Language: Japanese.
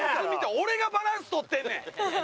俺がバランス取ってんねん！